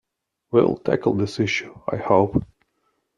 We will tackle this issue, I hope.